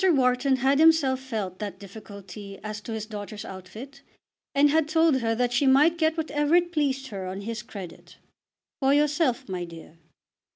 Wharton had himself felt that difficulty as to his daughter's outfit, and had told her that she might get whatever it pleased her on his credit. "For yourself, my dear."